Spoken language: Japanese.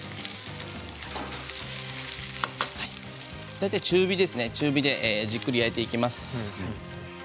大体中火でじっくり焼いていきます。